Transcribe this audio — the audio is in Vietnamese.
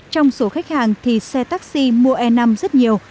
trong số khách hàng thì xe taxi mua e năm rất nhiều